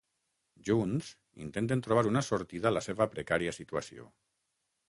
Junts, intenten trobar una sortida a la seva precària situació.